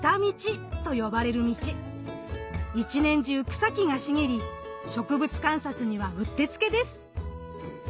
１年中草木が茂り植物観察にはうってつけです。